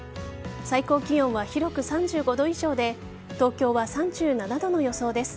最高気温は広く３５度以上で東京は３７度の予想です。